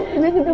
ibu ibu ibu